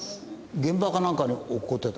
現場かなんかに落っこってた？